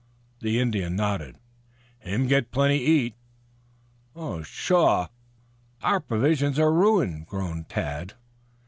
The Indian nodded. "Him get plenty eat." "Oh, pshaw! Our provisions are ruined," groaned Tad.